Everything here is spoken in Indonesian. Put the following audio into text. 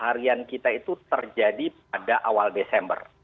harian kita itu terjadi pada awal desember